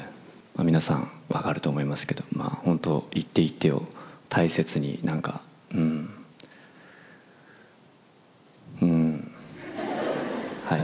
皆さん、分かると思いますけど、まあ本当、一手一手を大切に、なんか、うん、うん、